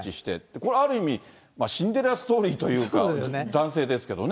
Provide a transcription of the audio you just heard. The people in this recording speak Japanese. これある意味、シンデレラストーリーというか、男性ですけどね。